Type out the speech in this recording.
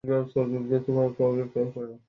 অতি নিষ্ঠাবান দায়িত্বশীল ও জনপ্রিয় ব্যক্তি।